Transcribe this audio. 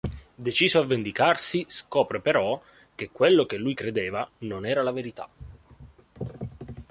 Deciso a vendicarsi, scopre però che quello che lui credeva, non era la verità.